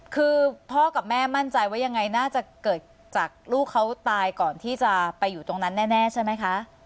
คือพ่อกับแม่มั่นใจว่ายังไงน่าจะเกิดจากลูกเขาตายก่อนที่จะไปอยู่ตรงนั้นแน่ใช่ไหมคะ